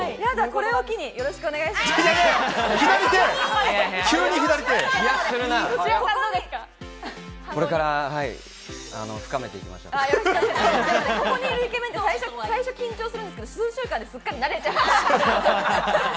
ここにいるイケメンって最初緊張するんですけど、数週間ですっかり慣れちゃう。